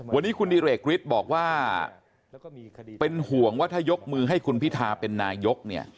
วันนี้คุณดิเรกฤทธิ์บอกว่าเป็นห่วงว่าถ้ายกมือให้คุณพิทาเป็นนายกเนี่ย